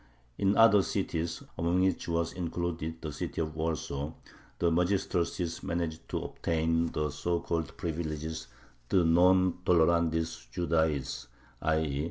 In other cities, among which was included the city of Warsaw, the magistracies managed to obtain the so called privilege de non tolerandis Judaeis, _i.